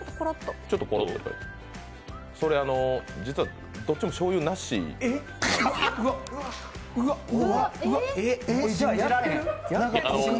それ、実は、どっちもしょうゆなしなんです。